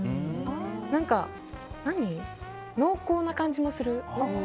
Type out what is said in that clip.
何か、濃厚な感じもする。